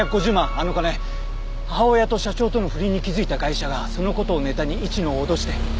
あの金母親と社長との不倫に気づいたガイシャがその事をネタに市野を脅して。